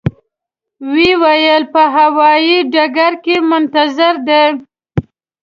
و یې ویل په هوایي ډګر کې منتظر دي.